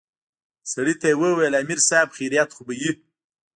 سړي ته يې وويل امر صايب خيريت خو به وي.